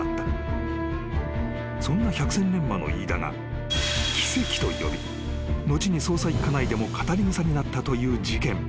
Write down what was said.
［そんな百戦錬磨の飯田が奇跡と呼び後に捜査１課内でも語りぐさになったという事件］